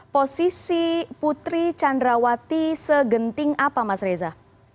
posisi putri candrawati segenting apa mas reza